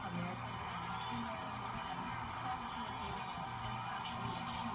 ข้อมูลเข้ามาดูครับ